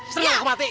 seneng aku mati